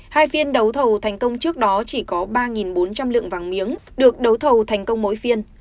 hai phiên đấu thầu thành công trước đó chỉ có ba bốn trăm linh lượng vàng miếng được đấu thầu thành công mỗi phiên